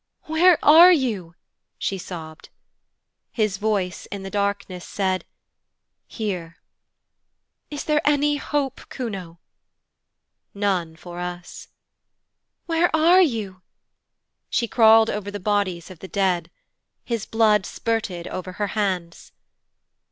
'Where are you?' she sobbed. His voice in the darkness said, 'Here.' Is there any hope, Kuno?' 'None for us.' 'Where are you?' She crawled over the bodies of the dead. His blood spurted over her hands.